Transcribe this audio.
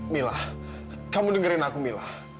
mila kamu dengerin aku milah